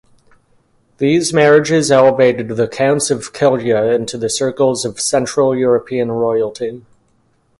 These marriages elevated the Counts of Celje into the circles of Central European royalty.